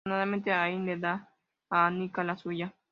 Afortunadamente Aidan le da a Annika la suya.